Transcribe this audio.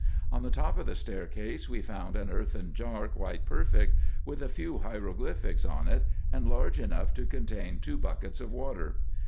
On the top of the staircase we found an earthen jar quite perfect, with a few hieroglyphics on it, and large enough to contain two buckets of water.